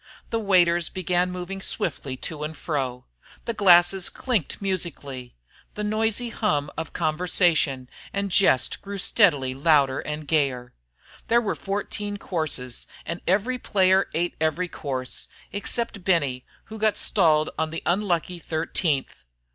The waiters began moving swiftly to and fro; the glasses clinked musically; the noisy hum of conversation and jest grew steadily louder and gayer. There were fourteen courses and every player ate every course, except Benny, who got stalled on the unlucky thirteenth.